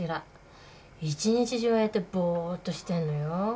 一日中ああやってぼっとしてんのよ。